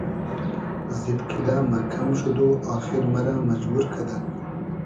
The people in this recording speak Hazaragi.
زید کیدۂ مئکئم شود و آخیر مئرۂ مئجبور کئدئگ